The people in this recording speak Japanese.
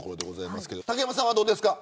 竹山さんはどうですか。